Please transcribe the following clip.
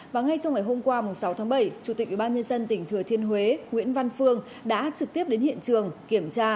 và ngay trong ngày hôm qua sáu tháng bảy chủ tịch ubnd tỉnh thừa thiên huế nguyễn văn phương đã trực tiếp đến hiện trường kiểm tra